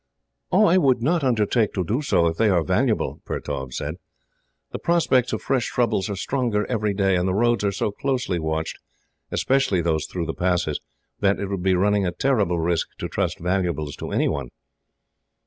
"I would not undertake to do so, if they are valuable," Pertaub said. "The prospects of fresh troubles are stronger every day, and the roads are so closely watched, especially those through the passes, that it would be running a terrible risk to trust valuables to anyone."